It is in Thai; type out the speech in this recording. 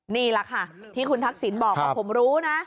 นี่แหละค่ะที่คุณทักษิณบอกว่าผมรู้นะ